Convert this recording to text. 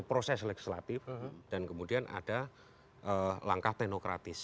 proses legislatif dan kemudian ada langkah teknokratis